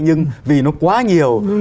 nhưng vì nó quá nhiều